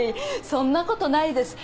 そんな事ないです。